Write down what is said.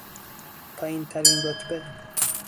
پایینترین رتبه